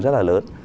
rất là lớn